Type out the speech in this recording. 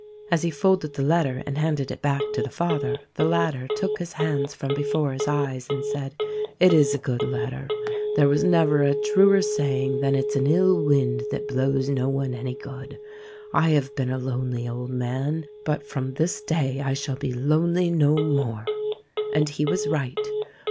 As he folded the letter and handed it back to the father the latter took his hands from before his eyes and said : "It is a good letter. There was never a truer saying than 'It's an ill wind that blow r s no one any good.' I have been a lonely old man ; but, from this day, I shall be lonely no more." And he was right.